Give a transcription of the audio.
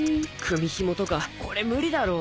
組紐とかこれ無理だろ。